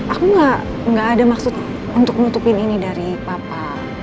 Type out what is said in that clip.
aku nggak ada maksud untuk nutupin ini dari papa